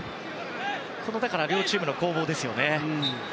この両チームの攻防ですよね。